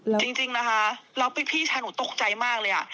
จริงจริงนะคะแล้วพี่ชายหนูตกใจมากเลยอ่ะ